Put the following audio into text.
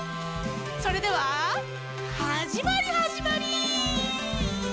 それでははじまりはじまり。